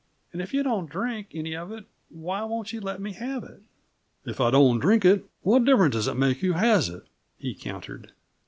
And if you don't drink any of it, why won't you let me have it?" "If I don't drink it; what difference does it make who has it?" he countered.